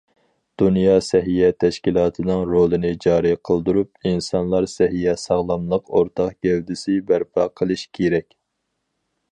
دۇنيا سەھىيە تەشكىلاتىنىڭ رولىنى جارى قىلدۇرۇپ، ئىنسانلار سەھىيە، ساغلاملىق ئورتاق گەۋدىسى بەرپا قىلىش كېرەك.